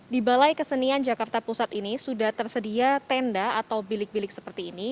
di balai kesenian jakarta pusat ini sudah tersedia tenda atau bilik bilik seperti ini